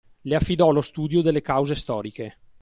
Le affidò lo studio delle cause storiche.